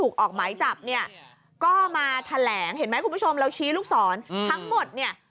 ก็มาแถลงเห็นไหมคุณผู้ชมเราชี้ลูกศรทั้งหมดเนี่ย